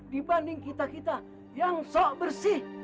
dibanding kita kita yang sok bersih